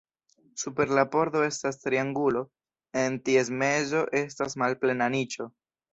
Super la pordo estas triangulo, en ties mezo estas malplena niĉo.